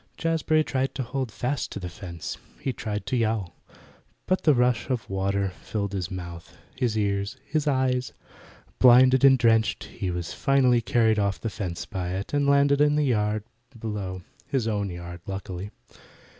Jazbury tried to hold fast to the fence; he tried to yowl, but the rush of water filled his mouth his eyes his ears. Blinded and drenched, he was finally carried off the fence by it, and landed in the yard below his own yard, luckily.